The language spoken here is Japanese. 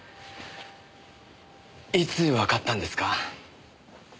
いつわかったんですか？